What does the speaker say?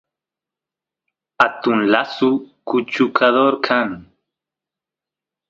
atun lasu kuchukador kan